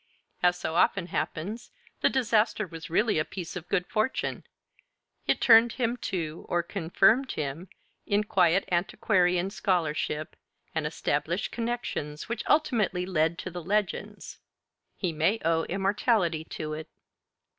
As so often happens, the disaster was really a piece of good fortune: it turned him to or confirmed him in quiet antiquarian scholarship, and established connections which ultimately led to the 'Legends'; he may owe immortality to it.